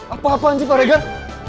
apa apaan sih pak regan